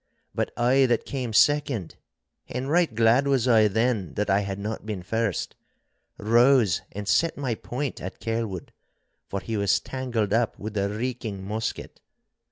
But I that came second (and right glad was I then that I had not been first) rose and set my point at Kelwood, for he was tangled up with the reeking musket.